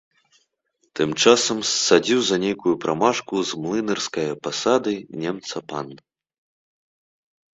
Тым часам ссадзіў за нейкую прамашку з млынарскае пасады немца пан.